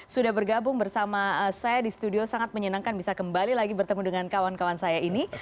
sudah bergabung bersama saya di studio sangat menyenangkan bisa kembali lagi bertemu dengan kawan kawan saya ini